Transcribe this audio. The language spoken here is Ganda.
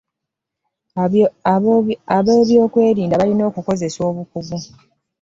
Abe by'okwerinda balina okukozesa obukugu.